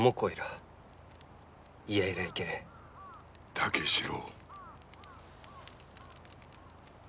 武四郎。